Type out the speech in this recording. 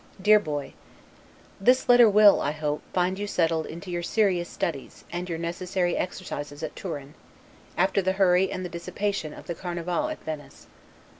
DEAR BOY: This letter will, I hope, find you settled to your serious studies, and your necessary exercises at Turin, after the hurry and the dissipation of the Carnival at Venice.